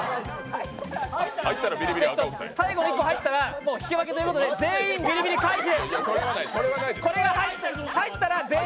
最後の１個入ったら引き分けということで、全員ビリビリ回避！